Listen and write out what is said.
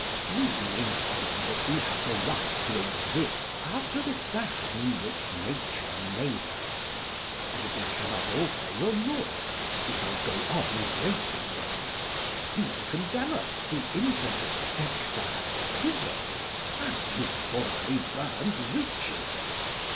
We maintain that we have the right to exist after the fashion in which nature made us. And if we cannot alter your laws, we shall go on breaking them. You may condemn us to infamy, exile, prison as you formerly burned witches.